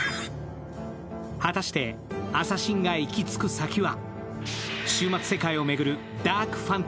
果たして、アサシンが行き着く先は？